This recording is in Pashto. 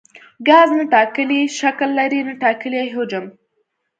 ګاز نه ټاکلی شکل لري نه ټاکلی حجم.